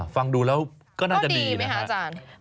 ฟังดูแล้วก็น่าจะดีนะครับ